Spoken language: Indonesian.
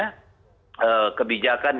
kebijakan itu mempertanggung jawabkan kebijakan